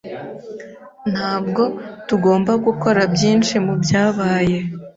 Ntabwo tugomba gukora byinshi mubyabaye.